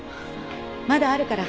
まだあるから。